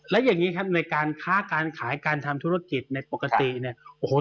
และอย่างนี้ครับในการค้าการขายการทำธุรกิจในปกติเนี่ยโอ้โห